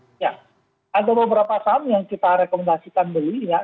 ya ada beberapa saham yang kita rekomendasikan dulu ya